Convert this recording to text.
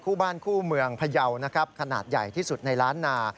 คู่บ้านคู่เมืองพยาวนะครับขนาดใหญ่ที่สุดในล้านนา